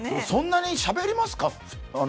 そんなにしゃべりますか？